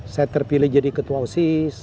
saya terpilih jadi ketua osis